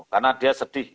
karena dia sedih